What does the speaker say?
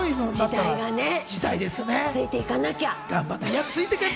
ついていかなきゃ！